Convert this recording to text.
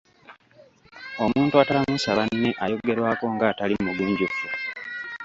Omuntu atalamusa banne ayogerwako ng'atali mugunjufu.